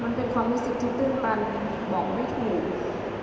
มันเป็นความรู้สึกที่ตื้นตันบอกไม่ถูก